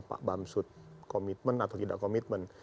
pak bamsud komitmen atau tidak komitmen